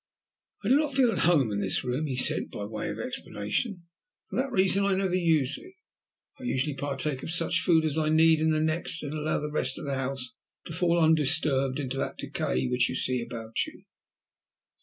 "I do not feel at home in this room," he said by way of explanation; "for that reason I never use it. I usually partake of such food as I need in the next, and allow the rest of the house to fall undisturbed into that decay which you see about you."